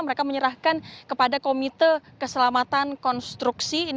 mereka menyerahkan kepada komite keselamatan konstruksi